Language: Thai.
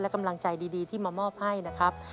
กำลังใจดีที่มามอบให้นะครับ